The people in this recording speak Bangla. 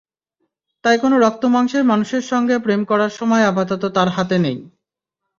তাই কোনো রক্তমাংসের মানুষের সঙ্গে প্রেম করার সময় আপাতত তাঁর হাতে নেই।